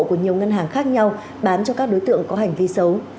của nhiều ngân hàng khác nhau bán cho các đối tượng có hành vi xấu